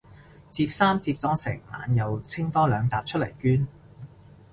摺衫摺咗成晚又清多兩疊出嚟捐